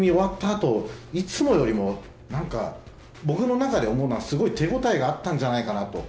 あといつもよりも僕の中で思うのはすごい手ごたえがあったんじゃないかと。